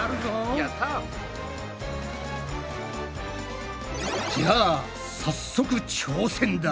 じゃあ早速挑戦だ。